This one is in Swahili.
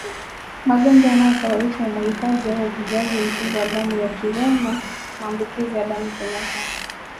Magonjwa yanayosababisha umwagikaji au uvujaji mkubwa wa damu yakiwemo maambukizi ya damu kimeta